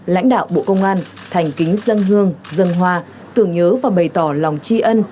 lãnh đạo bộ công an thành kính dân hương dân hoa tưởng nhớ và bày tỏ lòng tri ân